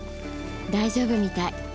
大丈夫みたい。